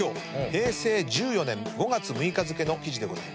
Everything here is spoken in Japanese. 平成１４年５月６日付の記事でございます。